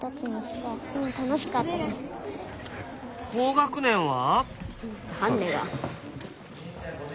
高学年は？